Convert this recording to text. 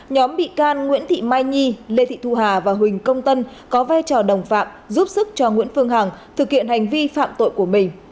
nhóm bị can nguyễn thị mai nhi lê thị thu hà và huỳnh công tân có vai trò đồng phạm giúp sức cho nguyễn phương hằng thực hiện hành vi phạm tội của mình